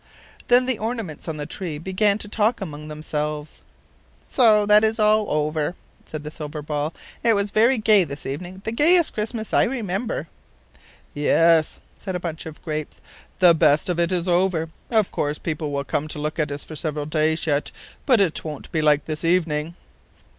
Then the ornaments on the tree began to talk among themselves. "So that is all over," said a silver ball. "It was very gay this evening the gayest Christmas I remember." "Yes," said a glass bunch of grapes; "the best of it is over. Of course people will come to look at us for several days yet, but it won't be like this evening."